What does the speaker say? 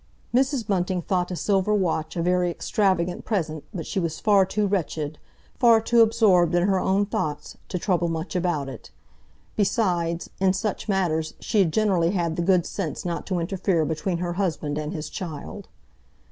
Mrs. Bunting thought a silver watch a very extravagant present but she was far too wretched, far too absorbed in her own thoughts, to trouble much about it. Besides, in such matters she had generally had the good sense not to interfere between her husband and his child.